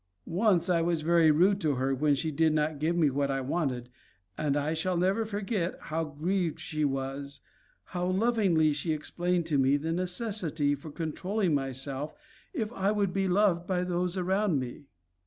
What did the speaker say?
Once I was very rude to her when she did not give me what I wanted, and I shall never forget how grieved she was, how lovingly she explained to me the necessity for controlling myself if I would be loved by those around me."